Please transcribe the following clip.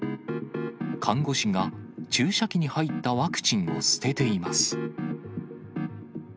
看護師が注射器に入ったワクチンを捨てています。